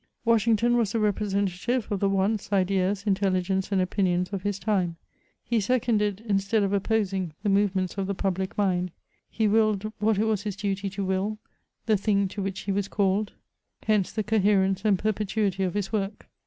Washington was the representative of the wants, ideas, intel ligence, and opinions of his time ; he seconded instead of op posing, the movements of the public mind ; he willed what it was his duty to will, the thing to which he was called ; hence the CHATEAUBRIAND. 259 coherence and perpetuity of his work.